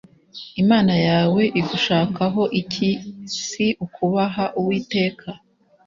Imana yawe igushakaho iki Si ukubaha Uwiteka